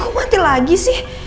kok mati lagi sih